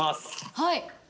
はい。